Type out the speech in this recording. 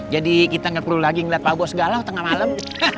jadi kita gak perlu lagi ngeliat pak bos galau tengah malam